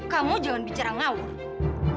kamu jangan bicara ngawur